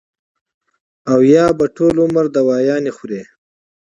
او يا به ټول عمر دوايانې خوري -